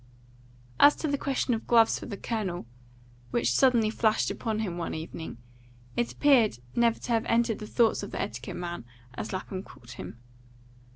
As to the question of gloves for the Colonel, which suddenly flashed upon him one evening, it appeared never to have entered the thoughts of the etiquette man, as Lapham called him.